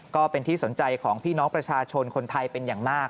ก็เป็นที่สนใจของพี่น้องประชาชนคนไทยเป็นอย่างมาก